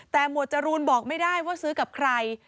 แต่หมวดจรูนบอกไม่ได้ว่าซื้อกับใคร